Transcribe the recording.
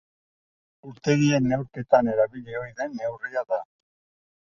Urtegien neurketan erabili ohi den neurria da.